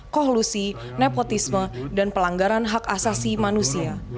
kohlusi nepotisme dan pelanggaran hak asasi manusia